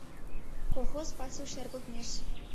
Колхоз пасу шергылтмеш